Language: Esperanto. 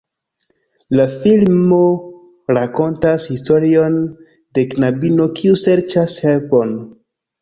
La filmo rakontas historion de knabino kiu serĉas helpon.